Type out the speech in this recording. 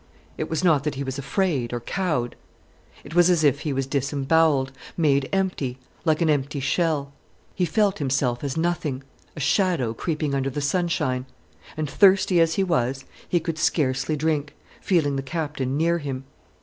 It was not that he was afraid, or cowed. It was as if he was disembowelled, made empty, like an empty shell. He felt himself as nothing, a shadow creeping under the sunshine. And, thirsty as he was, he could scarcely drink, feeling the Captain near him.